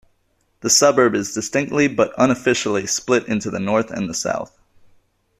The suburb is distinctly but unofficially split into the north and the south.